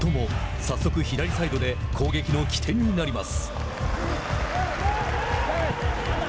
早速左サイドで攻撃の起点になります。